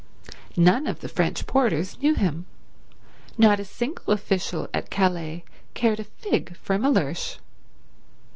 None of the French porters knew him; not a single official at Calais cared a fig for Mellersh.